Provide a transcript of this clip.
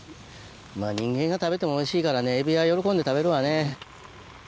人間が食べてもおいしいからねエビは喜んで食べるわね。